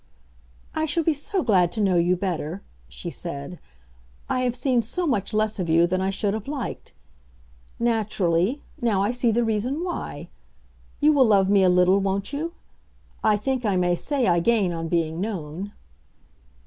"I shall be so glad to know you better," she said; "I have seen so much less of you than I should have liked. Naturally; now I see the reason why! You will love me a little, won't you? I think I may say I gain on being known."